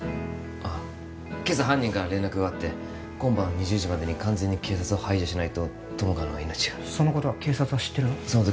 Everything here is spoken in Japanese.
あっ今朝犯人から連絡があって今晩２０時までに完全に警察を排除しないと友果の命がそのことは警察は知ってるの？